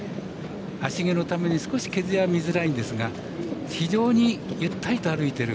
芦毛のために少し毛づやが見づらいんですが非常にゆったりと歩いている。